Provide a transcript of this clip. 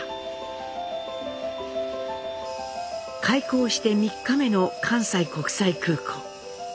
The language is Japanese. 開港して３日目の関西国際空港。